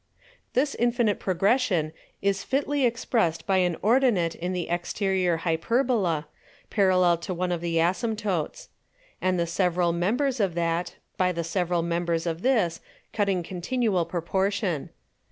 11. This infinite Progression is fitly expressed by an Ordinate in the Exterior Hyperbola, parallel to one of the Asymptotes; and the several Members of that, by the several Members of this, cut in continual Proportion.